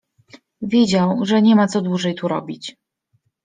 Wiedział, że nie ma co dłużej tu robić.